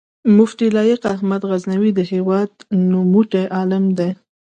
مفتي لائق احمد غزنوي د هېواد نوموتی عالم دی